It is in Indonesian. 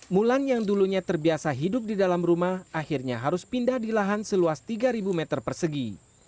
mulan yang dulunya terbiasa hidup di dalam rumah akhirnya harus pindah di lahan seluas tiga meter persegi